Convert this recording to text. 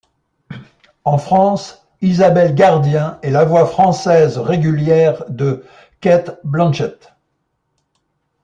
En France, Isabelle Gardien est la voix française régulière de Cate Blanchett.